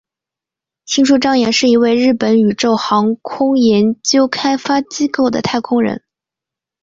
星出彰彦是一位日本宇宙航空研究开发机构的太空人。